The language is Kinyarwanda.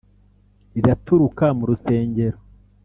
riraturuka mu rusengero